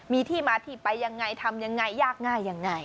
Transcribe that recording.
มีที่มาที่ไปยังไงทำยังไงยากง่ายยังไง